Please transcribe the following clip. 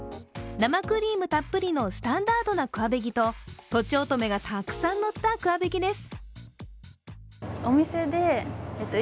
生クリームたっぷりのスタンダードなクァベギととちおとめがたくさんのったクァベギです。